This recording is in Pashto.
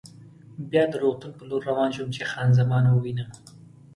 بیا د روغتون په لور روان شوم چې خان زمان ووینم.